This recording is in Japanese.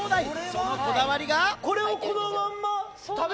そのこだわりが。